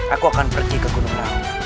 aku akan pergi ke gunung laut